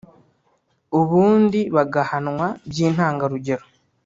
ubundi bagahanwa by’intangarugero